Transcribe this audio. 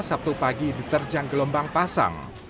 sabtu pagi diterjang gelombang pasang